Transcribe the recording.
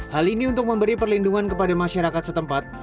hal ini untuk memberi perlindungan kepada masyarakat setempat